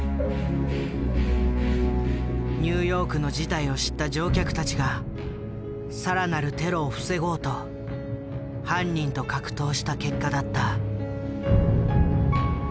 ニューヨークの事態を知った乗客たちが更なるテロを防ごうと犯人と格闘した結果だった。